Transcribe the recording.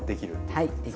はい。